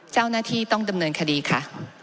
เจ้าหน้าที่ต้องดำเนินคดีค่ะ